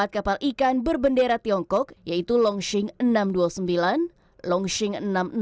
empat kapal ikan berbendera tiongkok yaitu longsing enam ratus dua puluh sembilan longsing enam ratus lima